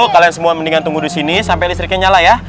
kalian semua mendingan tunggu di sini sampai listriknya nyala ya